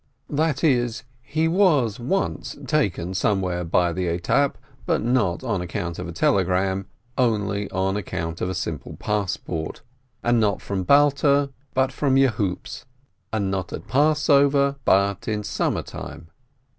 That is, he was once taken somewhere by the etape, but not on account of a telegram, only on account of a simple passport! And not from Balta, but from Yehupetz, and not at Passover, but in summer time.